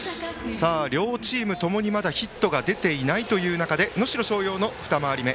両チーム共にヒットが出ていないという中で能代松陽も二回り目。